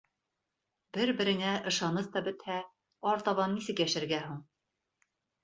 Бер-береңә ышаныс та бөтһә, артабан нисек йәшәргә һуң?